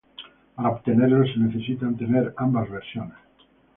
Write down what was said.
Para obtenerlo, se necesita tener ambas versiones.